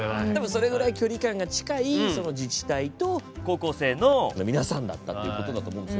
それぐらい距離感が近いその自治体と高校生の皆さんだったっていうことだと思うんです。